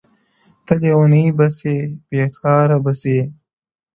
ته ليونــۍ بــه ســــې بــــې كـاره بــــه ســــې.!